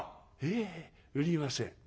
「いえ売りません」。